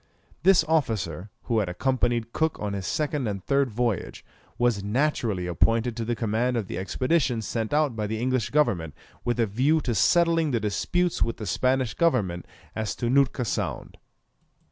This officer, who had accompanied Cook on his second and third voyage, was naturally appointed to the command of the expedition sent out by the English government with a view to settling the disputes with the Spanish government as to Nootka Sound.